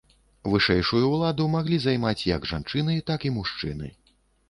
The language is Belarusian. Вышэйшую ўладу маглі займаць як жанчыны, так і мужчыны.